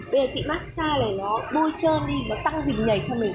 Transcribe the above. bây giờ chị massage này nó bôi trơm đi nó tăng dịch nhảy cho mình